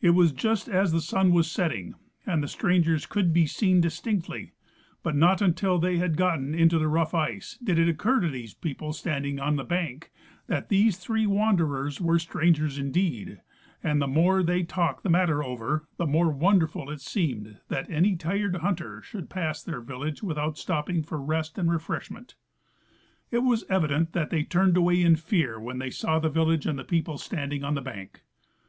It was just as the sun was setting, and the strangers could be seen distinctly, but not until they had gotten into the rough ice did it occur to these people standing on the bank that these three wanderers were strangers indeed ; and the more they talked the matter over the more wonderful it seemed that any tired hunter should pass their village without stopping for rest and refresh ment. It was evident that they turned away in fear when they saw the village and the people standing on the bank.